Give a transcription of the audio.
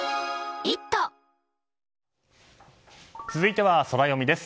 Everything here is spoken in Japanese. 続いてはソラよみです。